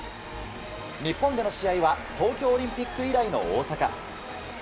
日本での試合は東京オリンピック以来の大坂。